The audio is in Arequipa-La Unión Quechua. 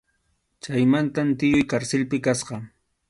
Chaymantam tiyuy karsilpi kasqa.